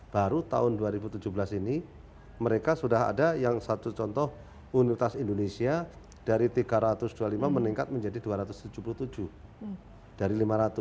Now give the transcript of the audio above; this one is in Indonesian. baru tahun dua ribu tujuh belas ini mereka sudah ada yang satu contoh universitas indonesia dari tiga ratus dua puluh lima meningkat menjadi dua ratus tujuh puluh tujuh dari lima ratus